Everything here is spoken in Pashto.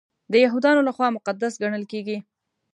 د یهودانو لخوا مقدس ګڼل کیږي.